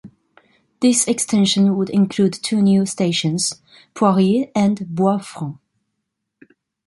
This extension would include two new stations, Poirier and Bois-Franc.